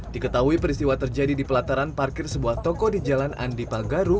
diketahui peristiwa terjadi di pelataran parkir sebuah toko di jalan andi pagaru